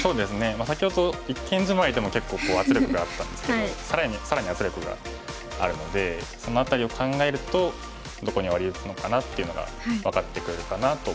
先ほど一間ジマリでも結構圧力があったんですけど更に圧力があるのでその辺りを考えるとどこにワリ打つのかなっていうのが分かってくるかなと思います。